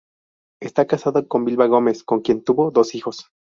Está casado con Vilma Gómez con quien tuvo dos hijos.